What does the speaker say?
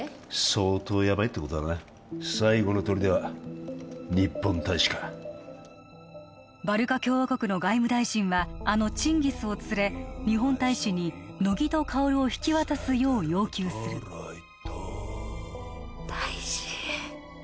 相当ヤバいってことだな最後のとりでは日本大使かバルカ共和国の外務大臣はあのチンギスを連れ日本大使に乃木と薫を引き渡すよう要求する大使ー！